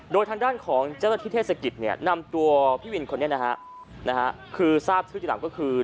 โดยทางด้านของเจ้าหน้าที่เทศกิจเนี่ยนำตัวพี่วินคนนี้นะฮะคือทราบชื่อทีหลังก็คือ